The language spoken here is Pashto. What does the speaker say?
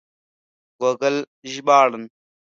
ګوګل ژباړن